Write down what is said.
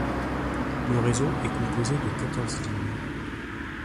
Le réseau est composé de quatorze lignes.